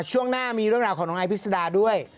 ช่วงหน้ามีเรื่องราวของน้องไอพิษดาด้วย